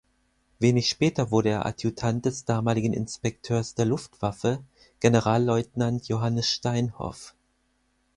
Wenig später wurde er Adjutant des damaligen Inspekteurs der Luftwaffe Generalleutnant Johannes Steinhoff.